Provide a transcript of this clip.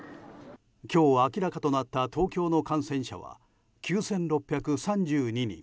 今日、明らかとなった東京の感染者は９６３２人。